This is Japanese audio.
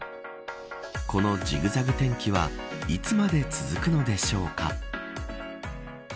このじぐざぐ天気はいつまで続くのでしょうか。